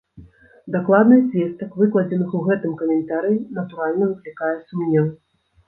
Дакладнасць звестак, выкладзеных у гэтым каментарыі, натуральна, выклікае сумневы.